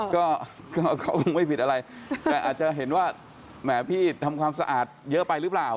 ก็เขาคงไม่ผิดอะไรแต่อาจจะเห็นว่าแหมพี่ทำความสะอาดเยอะไปหรือเปล่า